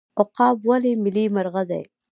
عقاب ولې ملي مرغه دی؟